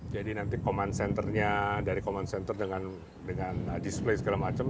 jadi nanti command centernya dari command center dengan display segala macam